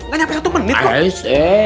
gak nyapa satu menit kok